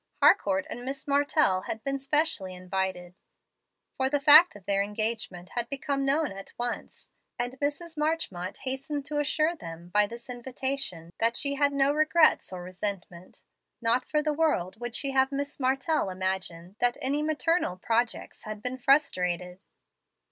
Harcourt and Miss Martell had been specially invited; for the fact of their engagement had become known at once, and Mrs. Marchmont hastened to assure them, by this invitation, that she had no regrets or resentment. Not for the world would she have Miss Martell imagine that any maternal projects had been frustrated.